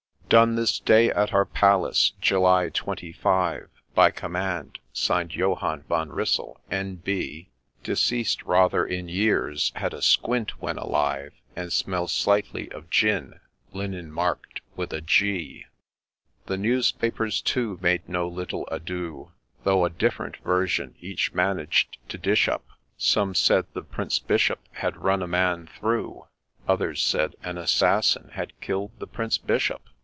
' Done this day, at our palace, — July twenty five, — By command, (Signed) Johann Von Russell, N.B. Deceased rather in years — had a squint when alive ; And smells slightly of gin — linen mark'd with a G.' A LAY OF ST. OENGDLPHD8 149 The Newspapers, too, made no little ado, Though a different version each managed to dish up ; Some said ' The Prince Bishop bad run a man through,' Others said ' An assassin had kill'd the Prince Bishop.'